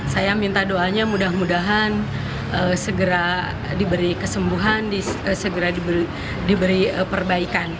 saya minta doanya mudah mudahan segera diberi kesembuhan segera diberi perbaikan